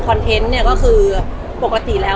คงเป็นแบบเรื่องปกติที่แบบ